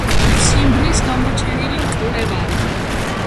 ციმბირის გამოჩენილი მკვლევარი.